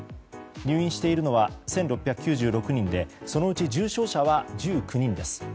入院しているのは１６９６人でそのうち重症者は１９人です。